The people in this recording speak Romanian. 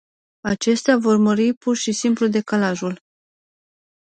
Acestea vor mări pur și simplu decalajul.